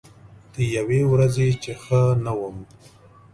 د یوې ورځې چې ښه نه وم